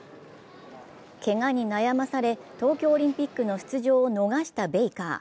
けがに悩まされ、東京オリンピックの出場を逃したベイカー。